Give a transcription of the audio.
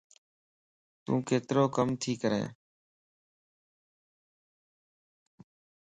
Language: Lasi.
تون ڪيترو ڪم تي ڪرين؟